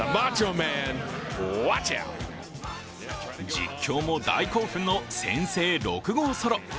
実況も大興奮の先制６号ソロ。